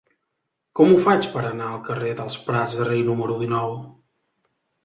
Com ho faig per anar al carrer dels Prats de Rei número dinou?